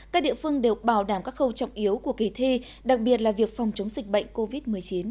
các địa phương đều bảo đảm các khâu trọng yếu của kỳ thi đặc biệt là việc phòng chống dịch bệnh covid một mươi chín